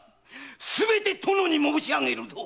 すべて殿に申し上げるぞ！